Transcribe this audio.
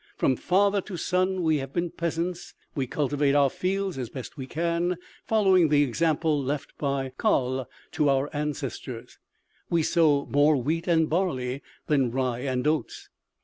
From father to son we have been peasants; we cultivate our fields as best we can, following the example left by Coll to our ancestors.... We sow more wheat and barley than rye and oats."